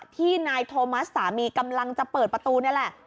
ที่นายโทมัสสามีกำลังจะเปิดประตูนี่แหละ